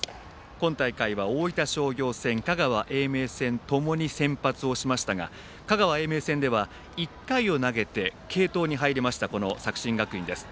今大会は大分商業戦香川・英明戦ともに先発をしましたが香川・英明戦では１回を投げて継投に入りました作新学院です。